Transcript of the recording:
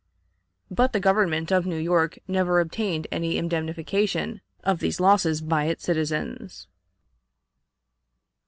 But the government of New York never obtained any indemnification of these losses by its citizens.